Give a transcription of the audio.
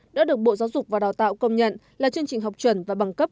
đã được bộ giáo dục và đào tạo công nhận là chương trình học chuẩn và bằng cấp